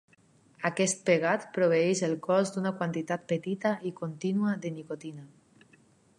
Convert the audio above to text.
Aquest pegat proveeix el cos d'una quantitat petita i contínua de nicotina.